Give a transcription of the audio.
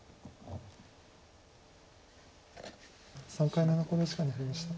３回目の考慮時間に入りました。